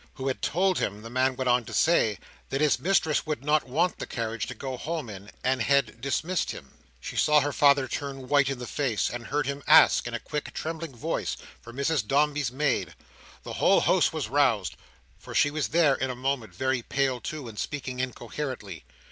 —Who had told him, the man went on to say, that his mistress would not want the carriage to go home in; and had dismissed him. She saw her father turn white in the face, and heard him ask in a quick, trembling voice, for Mrs Dombey's maid. The whole house was roused; for she was there, in a moment, very pale too, and speaking incoherently.